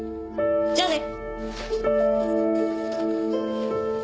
じゃあね！